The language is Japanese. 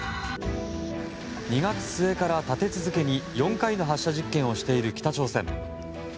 ２月末から立て続けに４回の発射実験をしている北朝鮮。